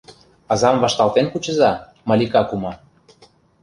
Азам вашталтен кучыза, Малика кума!